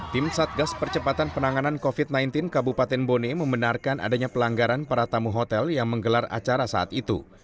tim satgas percepatan penanganan covid sembilan belas kabupaten bone membenarkan adanya pelanggaran para tamu hotel yang menggelar acara saat itu